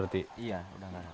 udah nggak ada sinyal berarti